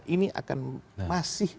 ini akan masih